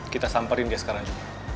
kita samperin dia sekarang juga